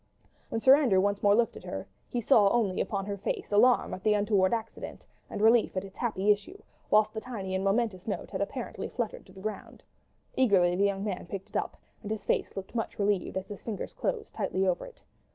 When Sir Andrew once more looked at her, he only saw on her face alarm at the untoward accident and relief at its happy issue; whilst the tiny and momentous note had apparently fluttered to the ground. Eagerly the young man picked it up, and his face looked much relieved, as his fingers closed tightly over it.